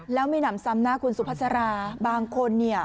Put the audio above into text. แล้วไม่หนำซ้ำนะคุณสุภาษาราบางคนเนี่ย